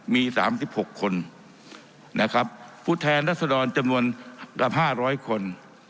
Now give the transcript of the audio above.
มีสามสิบหกคนนะครับผู้แทนรัศนาลจำนวนกับห้าร้อยคน